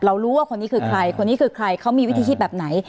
รู้ว่าคนนี้คือใครคนนี้คือใครเขามีวิธีคิดแบบไหน